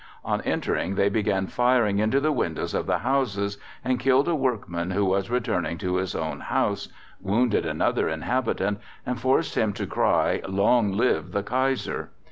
On entering they began firing into the windows of the houses, and killed a workman who was returning to his own house, wounded another inhabitant, and forced him to cry "Long live the Kaiser."